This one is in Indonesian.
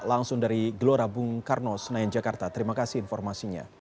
langsung dari gelora bung karno senayan jakarta terima kasih informasinya